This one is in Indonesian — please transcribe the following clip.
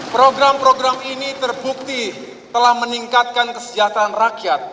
program program ini terbukti telah meningkatkan kesejahteraan rakyat